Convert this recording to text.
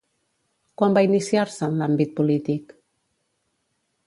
Quan va iniciar-se en l'àmbit polític?